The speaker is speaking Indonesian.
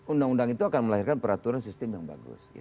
undang undang itu akan melahirkan peraturan sistem yang bagus